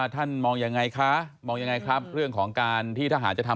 ต้องถาม